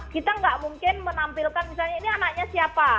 kita nggak mungkin menampilkan misalnya ini anaknya siapa